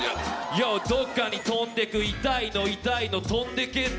どっかに飛んでいく、痛いの痛いの飛んでけ！